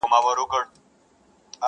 o پر خواره مځکه هر واښه شين کېږي!